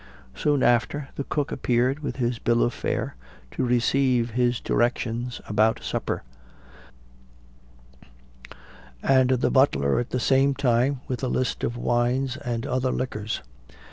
Soon after, the cook appeared with his bill of fare, to receive his directions about supper; and the butler at the same time, with a list of wines, and other liquors.